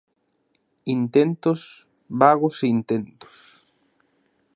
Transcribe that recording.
Intentos, vagos intentos.